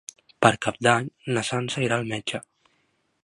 Per Cap d'Any na Sança irà al metge.